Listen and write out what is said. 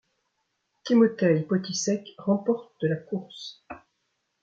Timoteï Potisek remporte la course.